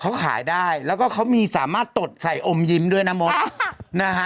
เขาขายได้แล้วก็เขามีสามารถตดใส่อมยิ้มด้วยนะมดนะฮะ